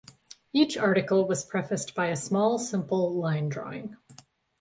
Each article was prefaced by a small, simple line drawing.